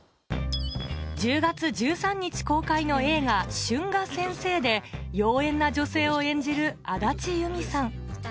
１０月１３日公開の映画『春画先生』で妖艶な女性を演じる安達祐実さん